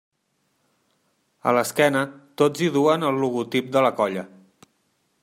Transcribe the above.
A l'esquena, tots hi duen el logotip de la colla.